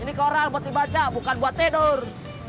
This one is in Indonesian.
ini koral buat dibaca bukan buat tidur